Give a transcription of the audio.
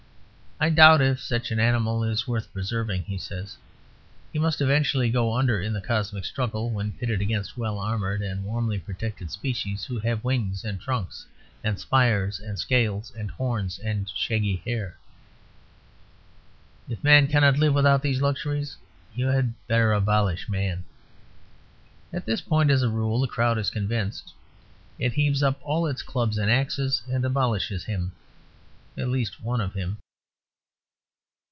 "I doubt if such an animal is worth preserving," he says. "He must eventually go under in the cosmic struggle when pitted against well armoured and warmly protected species, who have wings and trunks and spires and scales and horns and shaggy hair. If Man cannot live without these luxuries, you had better abolish Man." At this point, as a rule, the crowd is convinced; it heaves up all its clubs and axes, and abolishes him. At least, one of him.